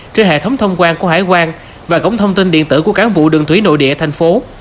trên hệ thống thông quan của hải quan và cổng thông tin điện tử của cán bộ đường thủy nội địa thành phố